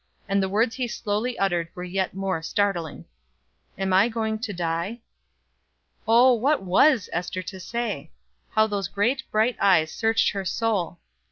And the words he slowly uttered were yet more startling: "Am I going to die?" Oh, what was Ester to say? How those great bright eyes searched her soul!